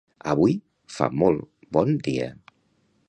Avui fa molt bon dia!